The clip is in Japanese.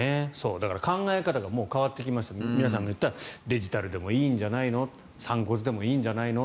だから考え方が変わってきました、皆さんが言ったデジタルでもいいんじゃないの散骨でもいいんじゃないの。